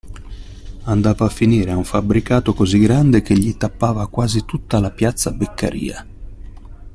Andava a finire a un fabbricato così grande che gli tappava quasi tutta la Piazza Beccaria.